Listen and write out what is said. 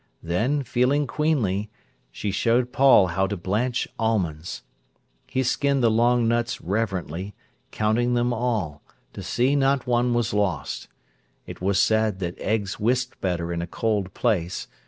Then, feeling queenly, she showed Paul how to blanch almonds. He skinned the long nuts reverently, counting them all, to see not one was lost. It was said that eggs whisked better in a cold place.